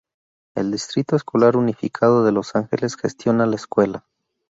El Distrito Escolar Unificado de Los Ángeles gestiona la escuela.